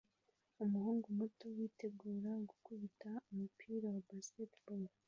Umuhungu muto witegura gukubita umupira wa baseball